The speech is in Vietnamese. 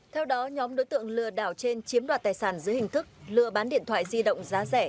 theo đó nhóm đối tượng lừa đảo trên chiếm đoạt tài sản dưới hình thức lừa bán điện thoại di động giá rẻ